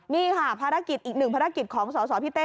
นี่ค่ะภารกิจอีกหนึ่งภารกิจของสสพี่เต้